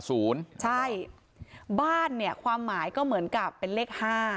ใช่บ้านเนี่ยความหมายก็เหมือนกับเป็นเลข๕